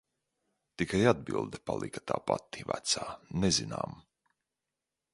"Tikai atbilde palika tā pati vecā "nezinām"."